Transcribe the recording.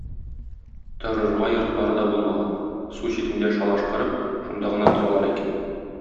Торырга йортлары да булмаган, су читендә шалаш корып, шунда гына торалар икән.